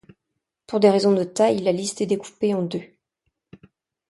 Pour des raisons de taille, la liste est découpée en deux.